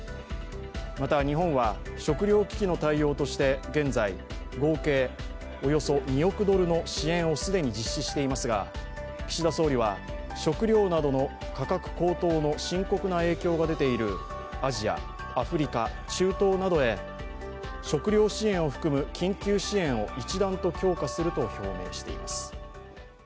また日本は食糧危機の対応として現在、合計およそ２億ドルの支援を既に実施していますが岸田総理は食糧などの価格高騰の深刻な影響が出ているアジア、アフリカ、中東などへ、食糧支援を含む緊急支援を一段と強化すると表明しています。